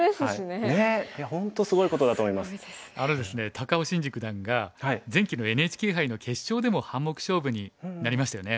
高尾紳路九段が前期のＮＨＫ杯の決勝でも半目勝負になりましたよね。